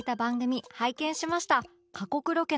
過酷ロケ？